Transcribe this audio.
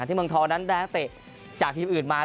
ที่เมืองท้อนั้นนั้นนางเตะจากทีมอื่นมา